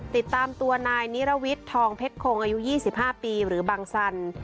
ติดตามตัวนายนิรวิทย์ทองเพชรคงอายุ๒๕ปีหรือบังสัน